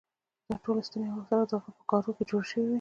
دا ټولې ستنې او اثار د غره په ګارو کې جوړ شوي وو.